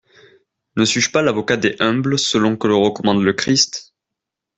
Ne suis-je pas l'avocat des humbles selon que le recommanda le Christ?